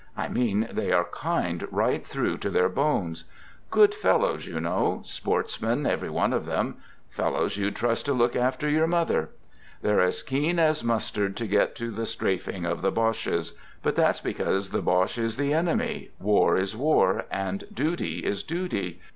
I mean they are kind right through to their bones; good fellows, you know; sportsmen, every one of 'em; fellows you'd trust to look after your mother. They're as keen as mustard to get to the strafing of the Bodies ; but that's because the Boche is the enemy, war is war, and duty is duty.